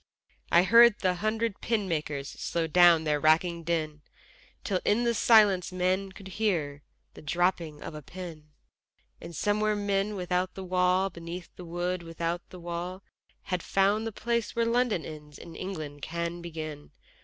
I heard the hundred pin makers Slow down their racking din, Till in the stillness men could hear The dropping of the pin: And somewhere men without the wall, beneath the wood, without the wall, Had found the place where London ends and England can begin.